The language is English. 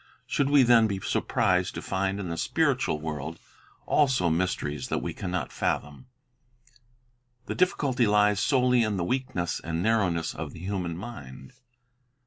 Should we then be surprised to find in the spiritual world also mysteries that we can not fathom? The difficult)' lies solely in the weakness and narrowness of the human mind.